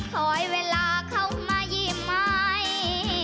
คอยเวลาเขามายิ้มไหม